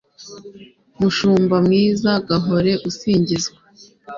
mushumba mwiza, gahore usingizwa